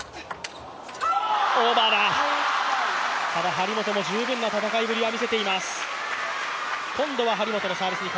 張本も十分な戦いぶりは見せています。